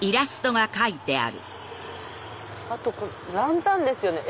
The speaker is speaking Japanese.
あとこれランタンですよね。